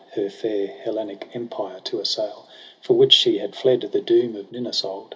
Her fair Hellenic empire to assail. For which she had fled the doom of Ninus old.